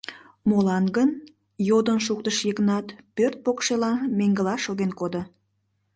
Молан гын? — йодын шуктыш Йыгнат, пӧрт покшелан меҥгыла шоген кодо.